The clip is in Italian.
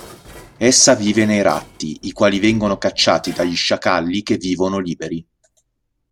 Essa vive nei ratti, i quali vengono cacciati dagli sciacalli che vivono liberi.